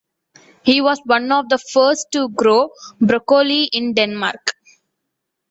He was one of the first to grow broccoli in Denmark.